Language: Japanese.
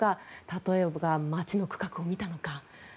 例えば、街の区画を見たのか。